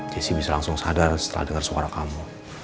jessy bisa langsung sadar setelah denger suara kamu